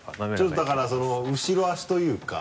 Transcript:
ちょっとだから後ろ足というか。